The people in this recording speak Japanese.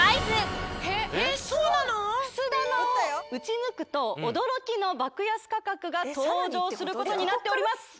くす玉を打ち抜くと驚きの爆安価格が登場することになっております